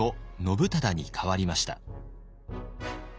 「信忠」に変わりました。